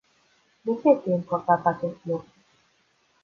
De ce este important acest lucru?